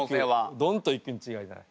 ドンといくに違いない。